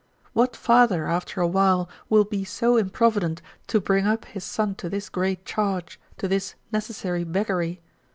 What father after a while will be so improvident to bring up his son to his great charge, to this necessary beggary?